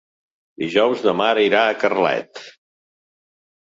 Dijous na Mar irà a Carlet.